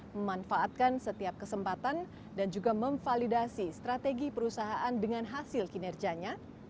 memanfaatkan setiap kesempatan dan juga memvalidasi strategi perusahaan dengan hasil kinerjanya